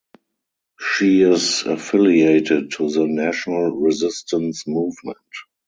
She is affiliated to the National Resistance Movement.